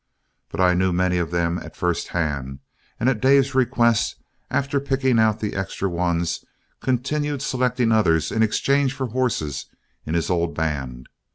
But I knew many of them at first hand, and at Dave's request, after picking out the extra ones, continued selecting others in exchange for horses in his old band.